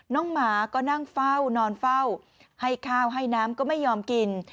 หมาก็นั่งเฝ้านอนเฝ้าให้ข้าวให้น้ำก็ไม่ยอมกิน